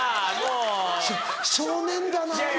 少年だなぁ。